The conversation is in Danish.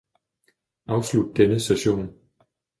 afslut denne session